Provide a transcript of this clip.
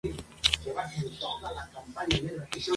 Más tarde fueron los modelos equipados con un controlador de aire.